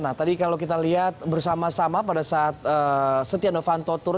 nah tadi kalau kita lihat bersama sama pada saat setia novanto turun